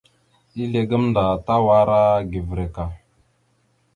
Izle gamnda Tawara givirek a.